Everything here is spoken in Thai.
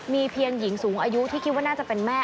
มีเพียงหญิงสูงอายุที่คิดว่าน่าจะเป็นแม่